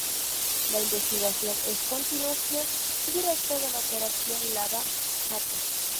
La investigación es continuación directa de la Operación Lava Jato.